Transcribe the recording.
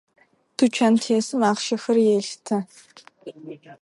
Тучантесым ахъщэхэр елъытэ.